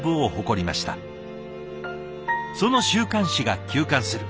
その週刊誌が休刊する。